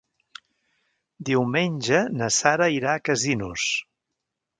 Diumenge na Sara irà a Casinos.